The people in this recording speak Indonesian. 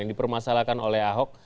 yang dipermasalahkan oleh ahok